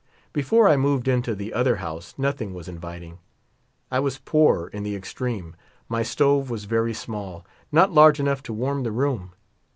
Before I moved into the other house noth ing was inviting. I was poor in the extreme ; my stove was very small — not large enough to warm the room.